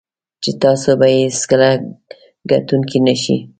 چې تاسو به یې هېڅکله ګټونکی نه شئ.